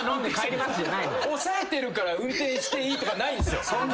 抑えてるから運転していいとかないんすよ。